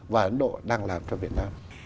và ấn độ đang làm cho việt nam